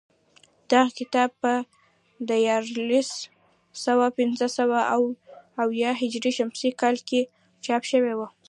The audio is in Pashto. دغه کتاب په دیارلس سوه پنځه اویا هجري شمسي کال کې چاپ شوی دی